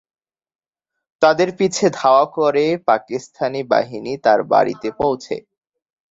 তাদের পিছে ধাওয়া করে পাকিস্তানি বাহিনী তার বাড়িতে পৌঁছে।